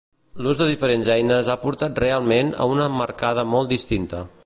L'ús de diferents eines ha portat realment a una emmarcada molt distinta.